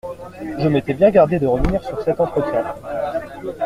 Je m'étais bien gardé de revenir sur cet entretien.